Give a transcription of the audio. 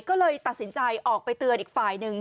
ก็เลยตัดสินใจออกไปเตือนอีกฝ่ายหนึ่ง